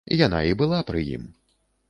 Яна і была пры ім.